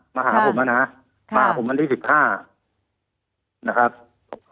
มาหาผมแล้วนะค่ะมาผมวันที่สิบห้านะครับ